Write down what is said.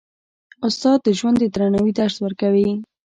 استاد د ژوند د درناوي درس ورکوي.